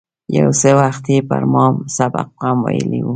یو څه وخت یې پر ما سبق هم ویلی و.